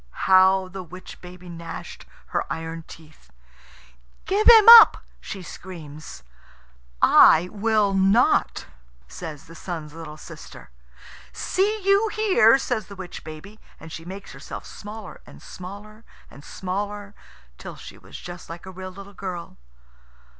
How the witch baby gnashed her iron teeth! "Give him up!" she screams. "I will not," says the Sun's little sister. "See you here," says the witch baby, and she makes herself smaller and smaller and smaller, till she was just like a real little girl.